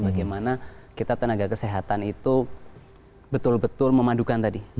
bagaimana kita tenaga kesehatan itu betul betul memadukan tadi